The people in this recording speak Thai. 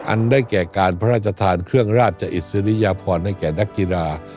อันได้แก่การพระราชทานเครื่องราชอิสริยพรให้แก่นักกีฬา